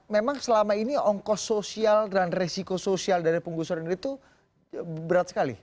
memang selama ini ongkos sosial dan resiko sosial dari penggusuran ini itu berat sekali